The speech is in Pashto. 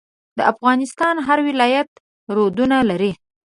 د افغانستان هر ولایت رودونه لري.